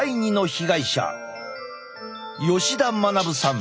吉田学さん。